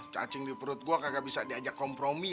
cacing di perut gue kagak bisa diajak kompromi